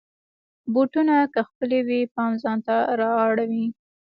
بوټونه که ښکلې وي، پام ځان ته را اړوي.